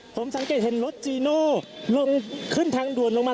ผมสังเกตเห็นรถจีโน่ลงขึ้นทางด่วนลงมา